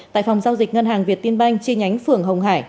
tại phòng giao dịch ngân hàng việt tiên banh chi nhánh phường hồng hải